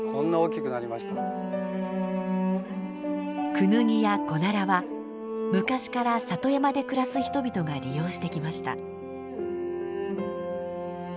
クヌギやコナラは昔から里山で暮らす人々が利用してきました。